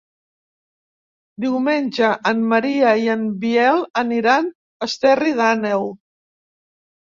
Diumenge en Maria i en Biel aniran a Esterri d'Àneu.